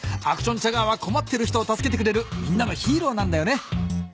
アクションチャガーはこまってる人を助けてくれるみんなのヒーローなんだよね。